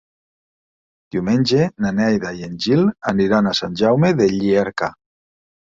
Diumenge na Neida i en Gil aniran a Sant Jaume de Llierca.